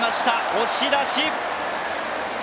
押し出し。